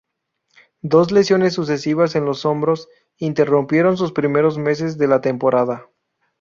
Dos lesiones sucesivas en los hombros interrumpieron sus primeros meses de la temporada.